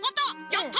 やった！